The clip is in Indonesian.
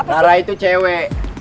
rara itu cewek